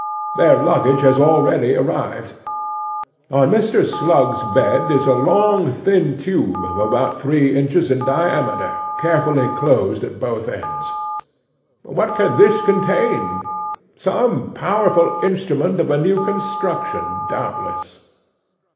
Their luggage has already arrived. On Mr. Slug's bed is a long tin tube of about three inches in diameter, carefully closed at both ends. What can this contain? Some powerful instrument of a new construction, doubtless.